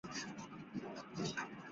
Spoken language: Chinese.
三圣寺的确切创建年代无从考证。